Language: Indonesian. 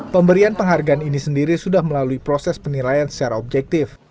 pemberian penghargaan ini sendiri sudah melalui proses penilaian secara objektif